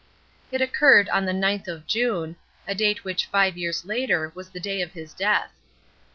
It occurred on the ninth of June, a date which five years later was the day of his death.